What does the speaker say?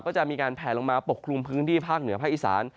ก็จะมีการแผลลงมาปกคลุมพื้นที่ภาคเหนือภาคอีสาน